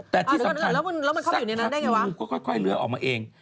แต่ที่สำคัญสักครั้งงูก็ค่อยเลือกออกมาเอง